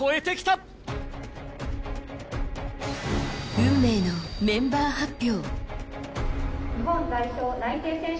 運命のメンバー発表。